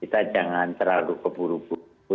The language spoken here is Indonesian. kita jangan terlalu keburu buru